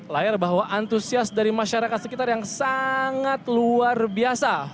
layar bahwa antusias dari masyarakat sekitar yang sangat luar biasa